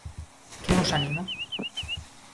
Que vos anima?